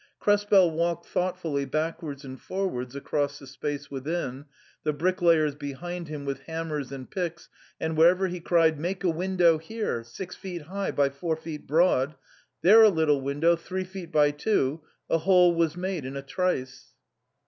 Krespel walked thoughtfully backwards and forwards across the space within, the bricklayers behind him with hammers and picks, and wherever he cried, " Make a window here, six feet high by four feet broad !"'* There a little window, three feet by two !" a hole was made in a trice.